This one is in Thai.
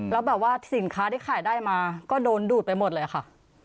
แล้วแบบว่าสินค้าที่ขายได้มาก็โดนดูดไปหมดเลยค่ะ